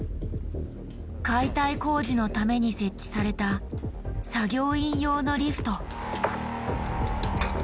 解体工事のために設置された作業員用のリフト。